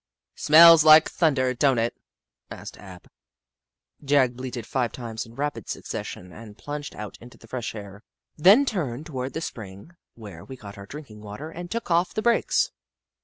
" Smells like thunder, don't it? " asked Ab. Jagg bleated five times in rapid succession and plunged out into the fresh air, then turned toward the spring where we got our drinking water and took off the brakes.